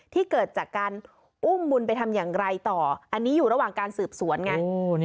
เกิดจากการอุ้มบุญไปทำอย่างไรต่ออันนี้อยู่ระหว่างการสืบสวนไง